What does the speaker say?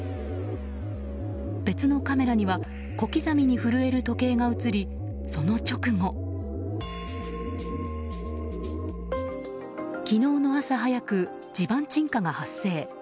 別のカメラには小刻みに震える時計が映り、その直後昨日の朝早く、地盤沈下が発生。